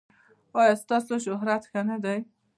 ایا ستاسو شهرت ښه نه دی؟